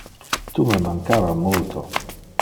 Tu me mancava multo.